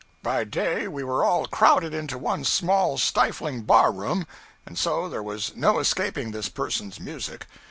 By day we were all crowded into one small, stifling bar room, and so there was no escaping this person's music.